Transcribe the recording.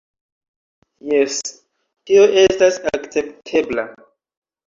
- Jes, tio estas akceptebla